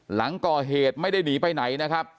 หลังก่อเหตุไม่ได้หนีไปไหนนะครับ